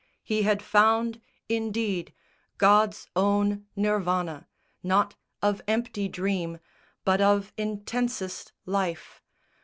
He had found indeed God's own Nirvana, not of empty dream, But of intensest life.